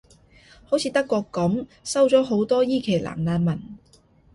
好似德國噉，收咗好多伊期蘭難民